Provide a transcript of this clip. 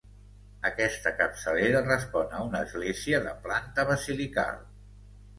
Aquesta capçalera respon a una església de planta basilical.